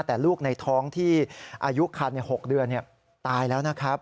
แต่ลูกในท้องที่อายุคัน๖เดือนตายแล้วนะครับ